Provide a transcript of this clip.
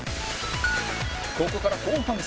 ここから後半戦